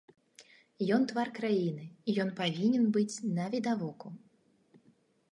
Ён твар краіны, ён павінен быць навідавоку.